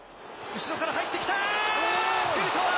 後ろから入ってきた。